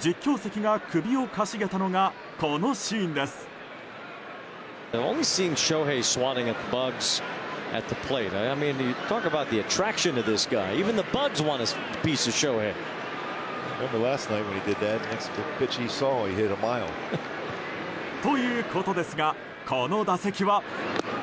実況席が首をかしげたのがこのシーンです。ということですがこの打席は。